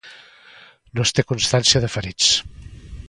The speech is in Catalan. No es té constància de ferits.